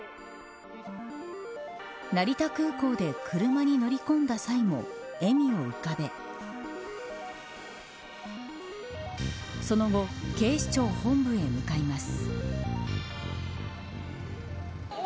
成田空港で車に乗り込んだ際も笑みを浮かべその後警視庁本部へ向かいます。